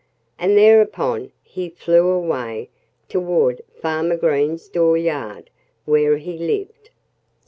And thereupon he flew away toward Farmer Green's dooryard, where he lived.